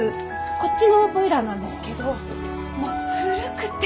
こっちのボイラーなんですけどもう古くて。